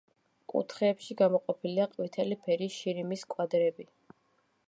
კუთხეებში გამოყენებულია ყვითელი ფერის შირიმის კვადრები.